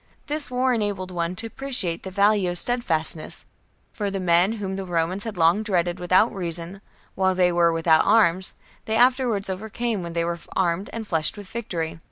This war enabled one to appreciate the value of steadfastness ; for the men whom the Romans had long dreaded without reason, while they were without arms, they afterwards overcame when they were armed and flushed with victory.